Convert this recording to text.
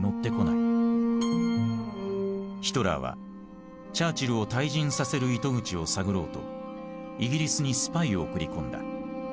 ヒトラーはチャーチルを退陣させる糸口を探ろうとイギリスにスパイを送り込んだ。